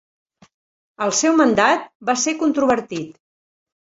El seu mandat va ser controvertit.